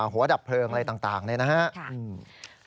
หัวดับเพลิงอะไรต่างนะครับ